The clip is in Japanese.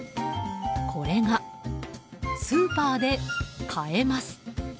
これが、スーパーで買えます。